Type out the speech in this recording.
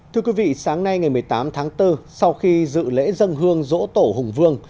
thưa quý vị sáng nay ngày một mươi tám tháng bốn sau khi dự lễ dân hương dỗ tổ hùng vương